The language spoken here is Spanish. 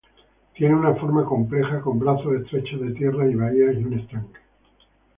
Tiene una forma compleja, con brazos estrechos de tierra y bahías y un estanque.